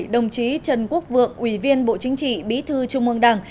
đồng chí trần quốc vượng ủy viên bộ chính trị bí thư trung ương đảng